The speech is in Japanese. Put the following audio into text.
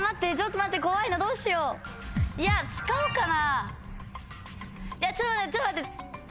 いや使おうかな。